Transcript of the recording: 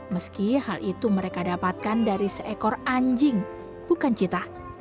meski hal itu mereka dapatkan dari seekor anjing bukan cita